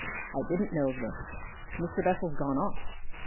"I didn't know of this. Mr. Bessel's gone off.